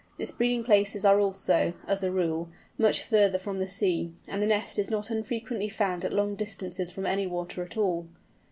Its breeding places are also, as a rule, much farther from the sea, and the nest is not unfrequently found at long distances from any water at all.